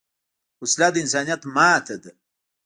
وسله د انسانیت ماتې ده